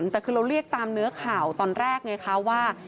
แต่คือเราเรียกตามเนื้อข่าวตอนแรกไงคะว่า